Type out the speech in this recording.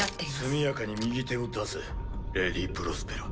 速やかに右手を出せレディ・プロスペラ。